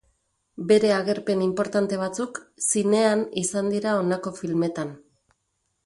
Bere agerpen inportante batzuk zinean izan dira honako filmetan.